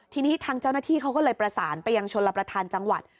ทีนี้ทางเจ้าหน้าที่เขาก็เลยประสานไปยังชนรับประทานจังหวัด